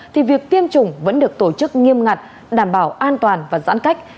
thì việc tiêm chủng vẫn được tổ chức nghiêm ngặt đảm bảo an toàn và giãn cách